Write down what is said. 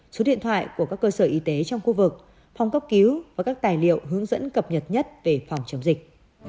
số điện thoại của các cơ sở y tế trong khu vực phòng cấp cứu và các tài liệu hướng dẫn cập nhật nhất về phòng chống dịch